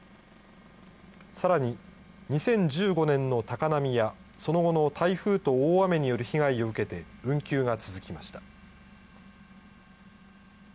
さらに２０１５年の高波や、その後の台風と大雨による被害を受けて、運休が続きました。